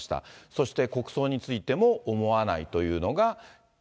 そして国葬についても、思わないというのが、５４％。